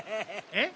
えっ？